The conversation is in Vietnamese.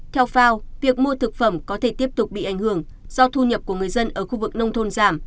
theo fao việc mua thực phẩm có thể tiếp tục bị ảnh hưởng do thu nhập của người dân ở khu vực nông thôn giảm